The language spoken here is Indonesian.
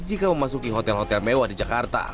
jika memasuki hotel hotel mewah di jakarta